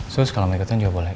sus kalau mau ikutan juga boleh